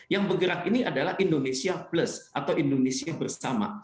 yang bergerak ini adalah indonesia plus atau indonesia bersama